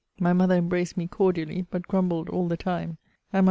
My mother embraced me cordially, but grumbled all all the time